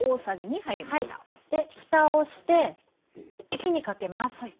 ふたをして火にかけます。